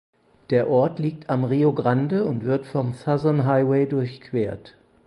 Der Ort liegt am Rio Grande und wird vom Southern Highway durchquert.